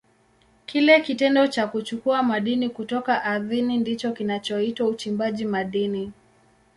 Kile kitendo cha kuchukua madini kutoka ardhini ndicho kinachoitwa uchimbaji madini.